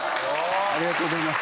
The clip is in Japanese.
ありがとうございます。